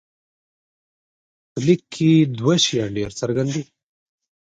په لیک کې دوه شیان ډېر څرګند دي.